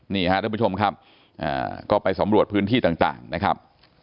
นี่ครับท่านผู้ชมครับก็ไปสำรวจพื้นที่ต่างนะครับ